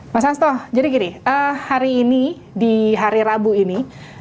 mas hasto jadi gini hari ini di hari rabu ini